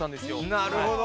なるほど。